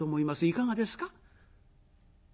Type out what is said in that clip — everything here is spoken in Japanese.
いかがですか？